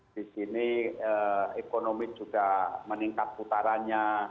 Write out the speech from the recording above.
di sini ekonomi sudah meningkat putaranya